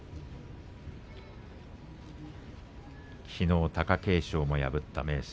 きのう貴景勝を破った明生。